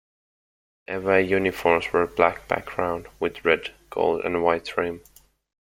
The away uniforms were black background, with red, gold and white trim.